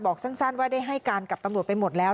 สั้นว่าได้ให้การกับตำรวจไปหมดแล้ว